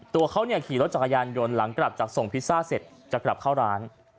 ตัวเขาขี่รถจักรยานยนต์หลังกลับจากส่งพิซซ่าเสร็จจะกลับเข้าร้าน